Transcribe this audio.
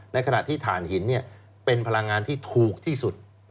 ในขณะที่ฐานหินเป็นพลังงานที่ถูกที่สุด